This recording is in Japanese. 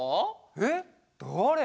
えっ？だれ？